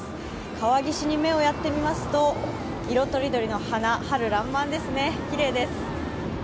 川岸に目をやってみますと色とりどりの花、春らんまんですね、きれいです。